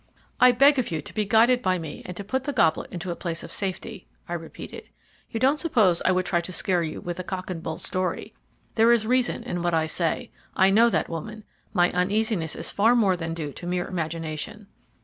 "I beg of you to be guided by me and to put the goblet into a place of safety," I repeated. "You don't suppose I would try to scare you with a cock and bull story. There is reason in what I say. I know that woman, my uneasiness is far more than due to mere imagination."